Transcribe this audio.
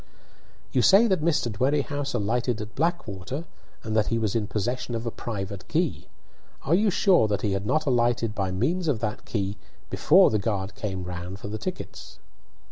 "You say that Mr. Dwerrihouse alighted in Blackwater, and that he was in possession of a private key. Are you sure that he had not alighted by means of that key before the guard came round for the tickets?"